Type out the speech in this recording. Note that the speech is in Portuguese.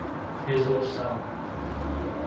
resolução